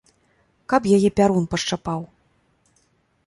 Каб яе пярун пашчапаў!